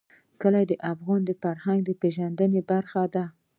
کلي د افغانانو د فرهنګي پیژندنې برخه ده.